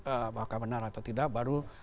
apakah benar atau tidak baru